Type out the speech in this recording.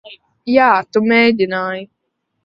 Jā, tu mēģināji.